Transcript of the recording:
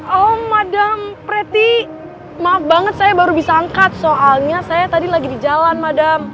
om madam preti maaf banget saya baru bisa angkat soalnya saya tadi lagi di jalan madam